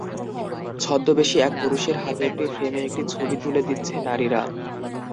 ছদ্মবেশী একজন পুরুষের হাতে একটি ফ্রেমে একটি ছবি তুলে দিচ্ছে নারীরা।